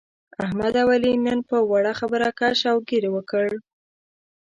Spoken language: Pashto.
احمد او علي نن په وړه خبره کش او ګیر وکړ.